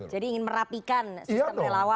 jadi ingin merapikan sistem relawan